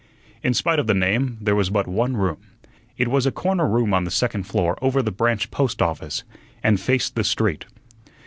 In spite of the name, there was but one room. It was a corner room on the second floor over the branch post office, and faced the street.